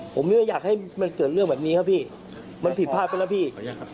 ผมไม่ได้อยากให้มันเกิดเรื่องแบบนี้ครับพี่มันผิดพลาดไปแล้วพี่ครับ